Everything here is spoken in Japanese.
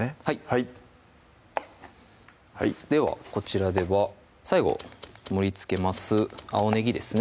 はいではこちらでは最後盛りつけます青ねぎですね